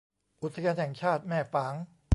อุทยานแห่งชาติแม่ฝาง